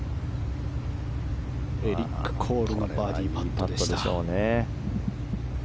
エリック・コールのバーディーパットでした。